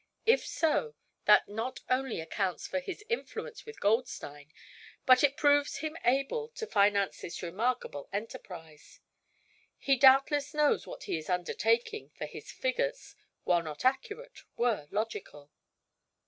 If so, that not only accounts for his influence with Goldstein, but it proves him able to finance this remarkable enterprise. He doubtless knows what he is undertaking, for his figures, while not accurate, were logical."